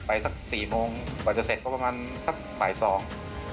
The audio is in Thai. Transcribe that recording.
สักสี่โมงกว่าจะเสร็จก็ประมาณสักบ่ายสอง